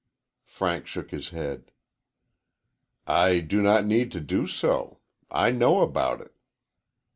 Frank shook his head. "I do not need to do so. I know about it."